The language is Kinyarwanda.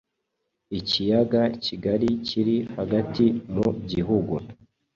ikiyaga kigari kiri hagati mu gihugu